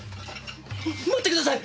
待ってください！